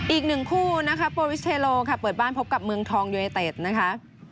อีกหนึ่งคู่นะคะโปรวิสเทโลค่ะเปิดบ้านพบกับเมืองทองยูเนเต็ดนะคะ